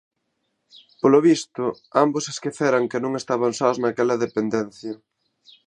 Polo visto, ambos esqueceran que non estaban sós naquela dependencia.